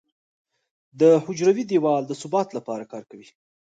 د حجروي دیوال د ثبات لپاره کار کوي.